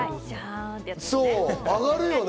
上がるよね。